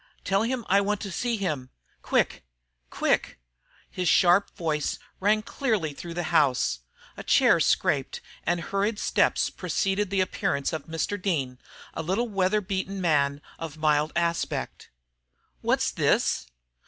"Tell him I want to see him quick quick!" His sharp voice rang clearly through the house. A chair scraped and hurried steps preceded the appearance of Mr. Dean, a little weather beaten man, of mild aspect. "What's this?"